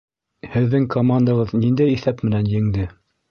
Һеҙҙең командағыҙ ниндәй иҫәп менән еңде?